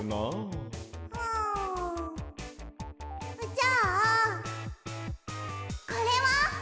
じゃあこれは？